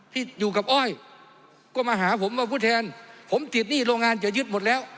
ที่อยู่กับอ้อยก็มาหาผมว่าผู้แทนผมติดหนี้โรงงานจะยึดหมดแล้ว